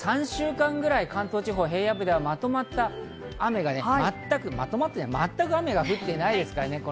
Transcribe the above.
３週間ぐらい関東地方の平野部ではまとまった雨が、全く雨が降ってないですからね